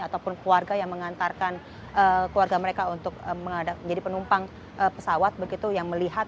ataupun keluarga yang mengantarkan keluarga mereka untuk menjadi penumpang pesawat begitu yang melihat